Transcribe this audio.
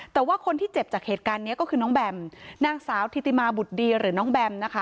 แต่ว่าคนที่เจ็บจากเหตุการณ์นี้ก็คือน้องแบมนางสาวธิติมาบุตรดีหรือน้องแบมนะคะ